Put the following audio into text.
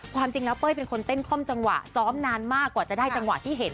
ความจริงแล้วเป้ยเป็นคนเต้นคล่อมจังหวะซ้อมนานมากกว่าจะได้จังหวะที่เห็น